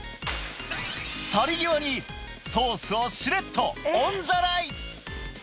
去り際にソースをしれっとオンザライス！